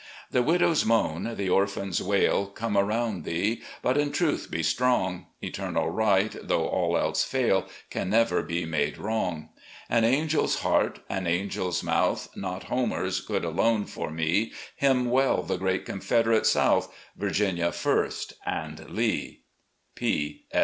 "The widow's moan, the orphan's wail. Come round thee; but in truth be strong ! Eternal Right, though all else fail. Can never be made Wrong. "An angel's heart, an angel's mouth. Not Homer's, could alone for me Hymn well the great Confederate South — Virginia first, and Lee.